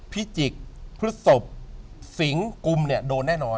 พิจิกษ์พฤศพสิงกุมเนี่ยโดนแน่นอน